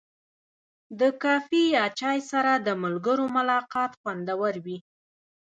د کافي یا چای سره د ملګرو ملاقات خوندور وي.